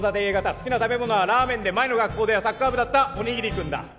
好きな食べ物はラーメンで前の学校ではサッカー部だったおにぎりくんだ。